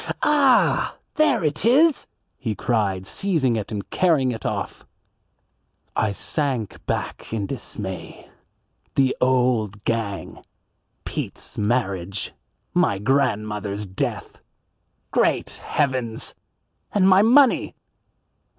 "Ah, there it is," he cried, seizing it and carrying it off. I sank back in dismay. The "old gang!" Pete's marriage! My grandmother's death! Great heavens! And my money!